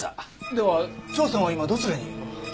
では張さんは今どちらに？